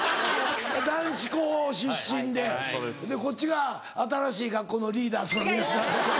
男子校出身ででこっちが新しい学校のリーダーズの皆さん。